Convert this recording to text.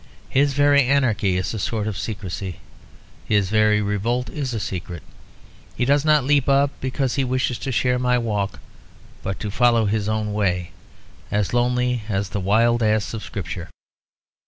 His very anarchy is a sort of secrecy; his very revolt is a secret. He does not leap up because he wishes to share my walk, but to follow his own way, as lonely as the wild ass of Scripture.